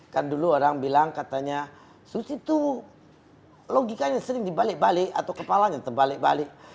kan dulu orang bilang katanya suci itu logikanya sering dibalik balik atau kepalanya terbalik balik